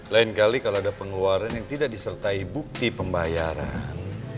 lain kali kalau ada pengeluaran yang tidak disertai bukti pembayaran